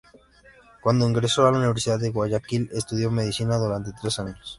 Cuando ingresó a la Universidad de Guayaquil, estudió medicina durante tres años.